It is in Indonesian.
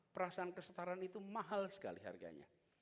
perasaan kesetaraan itu mahal sekali harganya